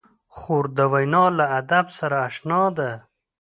خور د وینا له ادب سره اشنا ده.